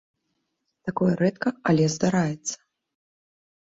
Такое рэдка, але здараецца.